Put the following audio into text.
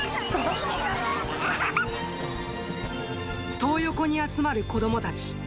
トー横に集まる子どもたち。